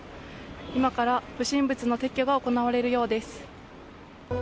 今から不審物の撤去が行われるようです。